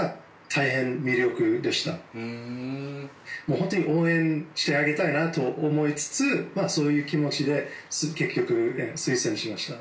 本当に応援してあげたいなと思いつつそういう気持ちで結局推薦しました。